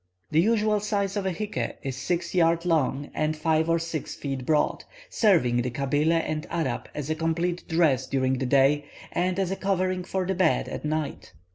The usual size of a hyke is six yards long and five or six feet broad, serving the Kabyle and Arab as a complete dress during the day, and as a covering for the bed at night.